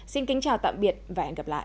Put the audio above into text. xin kính chào tạm biệt và hẹn gặp lại